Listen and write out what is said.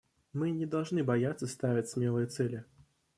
Мы не должны бояться ставить смелые цели.